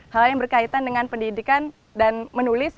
hal hal yang berkaitan dengan pendidikan dan menulis